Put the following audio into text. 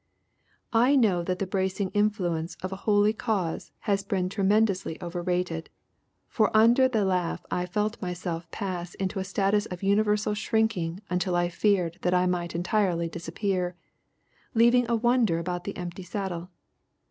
I know that the bracing influence of a holy cause has been tremendously overrated, for under the laugh I felt myself pass into a status of universal shrinking until I feared that I might entirely disappear, leaving a wonder about the empty saddle.